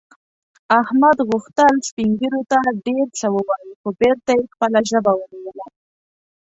احمد غوښتل سپین ږیرو ته ډېر څه ووايي، خو بېرته یې خپله ژبه ونیوله.